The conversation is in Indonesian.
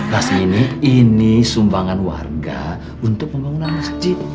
mas ini ini sumbangan warga untuk pengguna masjid